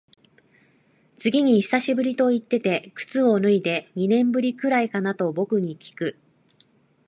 次に久しぶりと言ってて靴を脱いで、二年ぶりくらいかなと僕にきく。